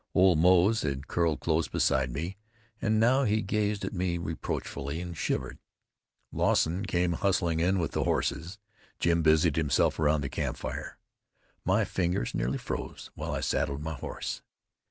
Old Moze had curled close beside me, and now he gazed at me reproachfully and shivered. Lawson came hustling in with the horses. Jim busied himself around the campfire. My fingers nearly froze while I saddled my horse.